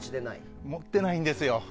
持ってないんです。